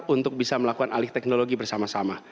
untuk bisa melakukan alih teknologi bersama sama